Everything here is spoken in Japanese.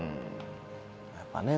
やっぱね